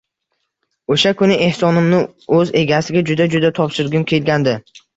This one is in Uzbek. Oʻsha kuni ehsonimni oʻz egasiga juda-juda topshirgim kelgandi